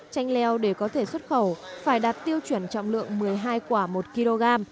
chanh leo để có thể xuất khẩu phải đạt tiêu chuẩn trọng lượng một mươi hai quả một kg